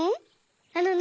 あのね